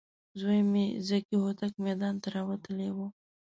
زوی مې ذکي هوتک میدان ته راوتلی و.